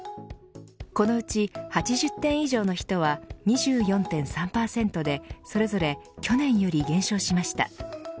このうち８０点以上の人は２４．３％でそれぞれ去年より減少しました。